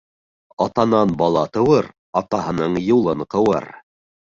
Атанан бала тыуыр, атаһының юлын ҡыуыр.